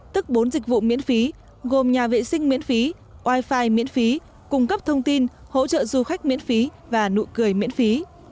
tức bốn dịch vụ miễn phí gồm nhà vệ sinh miễn phí wifi miễn phí cung cấp thông tin hỗ trợ du khách miễn phí và nụ cười miễn phí